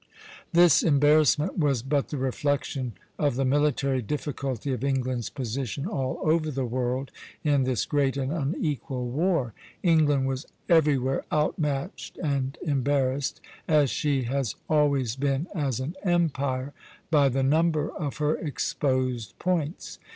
This embarrassment was but the reflection of the military difficulty of England's position, all over the world, in this great and unequal war. England was everywhere outmatched and embarrassed, as she has always been as an empire, by the number of her exposed points.